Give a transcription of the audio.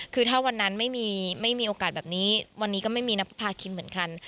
คือถ้าวันนั้นไม่มีโอกาสแบบนี้วันนี้ก็ไม่มีนับพาคินเหมือนกัน